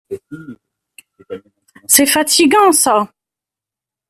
C'est fatigant ça.